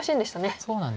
そうなんです。